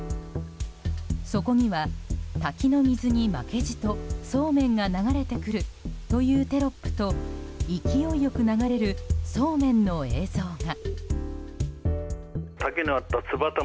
そこには滝の水に負けじとそうめんが流れてくるというテロップと、勢いよく流れるそうめんの映像が。